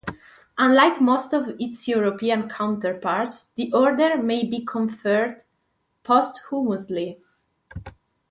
Unlike most of its European counterparts, the order may be conferred posthumously.